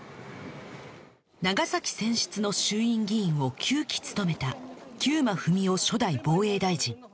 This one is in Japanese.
長崎選出の衆院議員を９期務めた久間章生初代防衛大臣